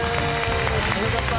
よかった。